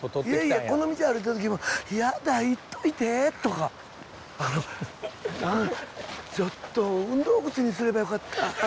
いやいやこの道歩いてた時も「嫌だ言っといて」とか「ちょっと運動靴にすればよかった。